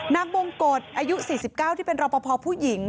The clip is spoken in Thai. นางบงกฎอายุ๔๙ที่เป็นรอปภผู้หญิง